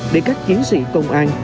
để các chiến sĩ công an